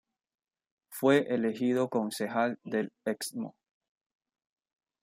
Fue elegido Concejal del Excmo.